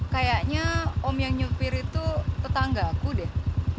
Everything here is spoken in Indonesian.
kayaknya om yang nyupir itu tetangga aku deh